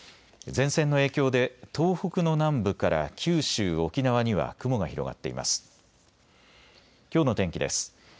前線の影響で東北の南部から九州、沖縄には雲が広がっています。